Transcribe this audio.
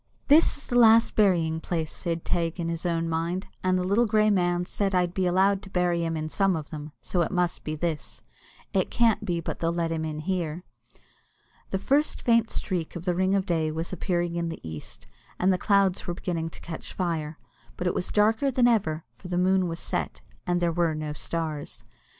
"This is the last burying place," said Teig in his own mind; "and the little grey man said I'd be allowed to bury him in some of them, so it must be this; it can't be but they'll let him in here." The first faint streak of the ring of day was appearing in the east, and the clouds were beginning to catch fire, but it was darker than ever, for the moon was set, and there were no stars.